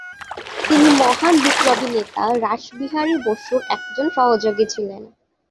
তিনি মহান বিপ্লবী নেতা রাসবিহারী বসুর একজন সহযোগী ছিলেন।